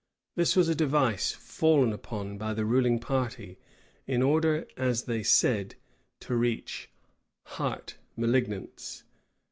This was a device fallen upon by the ruling party, in order, as they said, to reach "heart malignants."